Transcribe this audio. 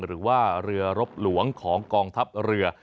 หรือว่าเรือรบหลวงของกองทัพเรือ